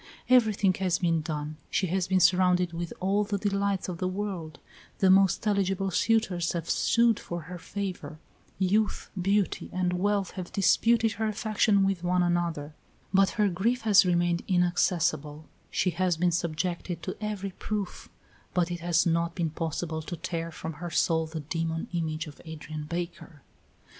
Everything has been done: she has been surrounded with all the delights of the world; the most eligible suitors have sued for her favor; youth, beauty, and wealth have disputed her affection with one another, but her grief has remained inaccessible; she has been subjected to every proof, but it has not been possible to tear from her soul the demon image of Adrian Baker.